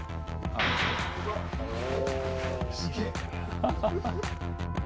すげえ